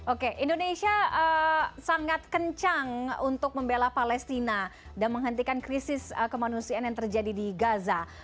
oke indonesia sangat kencang untuk membela palestina dan menghentikan krisis kemanusiaan yang terjadi di gaza